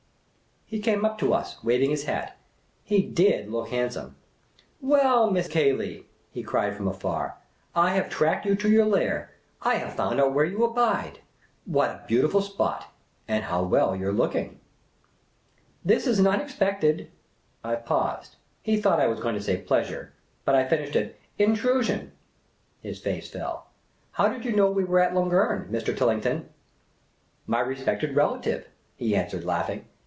He came up to us, waiting his hat. He did look hand some !" Well, Miss Cayley," he cried from afar, " I have tracked you to your lair ! I have found out where you abide ! What a beautiful spot ! And how well you 're looking !" The Impromptu Mountaineer 127 " This is an unexpected —" I paused. He thought I was going to say, " pleasure," but I finished it, " intrusion." His face fell. " How did you know we were at Lungern, Mr. Tillington?" *' My respected relative," he answered, laughing.